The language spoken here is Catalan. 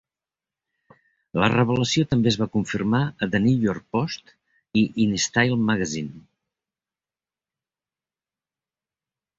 La revelació també es va confirmar a The New York Post i In Style Magazine.